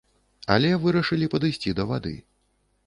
Але вырашылі падысці да вады.